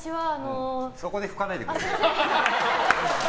そこで拭かないでください。